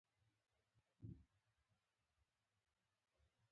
د سخاوت ارزښت ټولنه ښکلې کوي.